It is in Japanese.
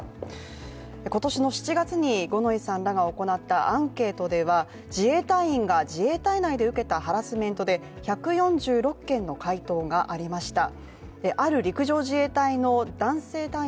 今年の７月の五ノ井さんらが行ったアンケートでは自衛隊員が自衛隊内で受けたハラスメントで１４６件の回答がありました。